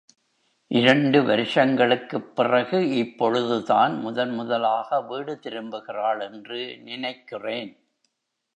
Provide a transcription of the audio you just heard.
இரண்டு வருஷங்களுக்குப் பிறகு இப்பொழுது தான் முதன் முதலாக வீடு திரும்புகிறாள் என்று நினைக்கிறேன்.